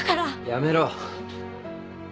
やめろ。